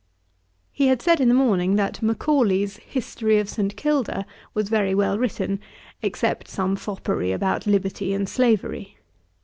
He had said in the morning, that Macaulay's History of St. Kilda, was very well written, except some foppery about liberty and slavery.